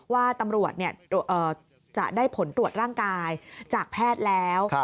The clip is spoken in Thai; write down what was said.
ว่าตำรวจจะได้ผลตรวจร่างกายจากแพทย์แล้ว